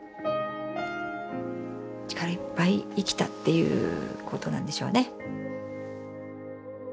力いっぱい生きたっていうことなんでしょうね。